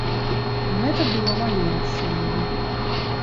Гэта было маё рашэнне.